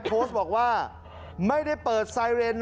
โพสต์บอกว่าไม่ได้เปิดไซเรน